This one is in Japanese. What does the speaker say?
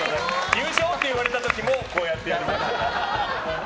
優勝って言われた時もこうやってやりました。